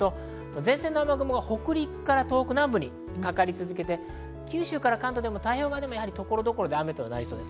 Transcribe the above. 前線の雨雲が北陸から東北南部にかかり続けて、九州から関東でも太平洋側でも所々、雨となりそうです。